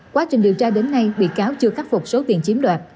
quá trình điều tra đến nay bị cáo chưa khắc phục số tiền chiếm đoạt